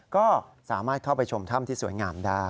ก็สามารถเข้าไปชมถ้ำที่สวยงามได้